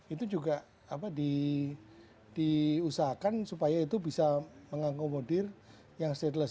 itu juga diusahakan supaya itu bisa mengakomodir yang stateless